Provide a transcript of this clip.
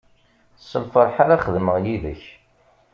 S lferḥ ara xedmeɣ yid-k.